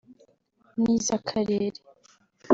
n’iz’akarere